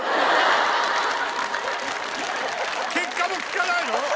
結果も聞かないの？